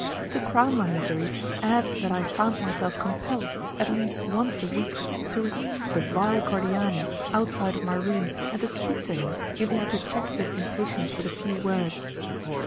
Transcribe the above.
To crown my misery, add that I found myself compelled, at least once a week, to receive the vile Cordiani outside of my room, and to speak to him, in order to check his impatience with a few words.